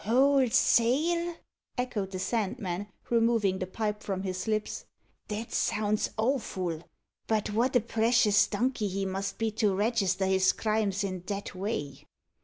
"Wholesale!" echoed the Sandman, removing the pipe from his lips. "That sounds awful. But what a precious donkey he must be to register his crimes i' that way."